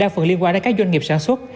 phần liên quan đến các doanh nghiệp sản xuất